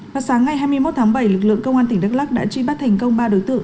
vào sáng ngày hai mươi một tháng bảy lực lượng công an tỉnh đắk lắc đã truy bắt thành công ba đối tượng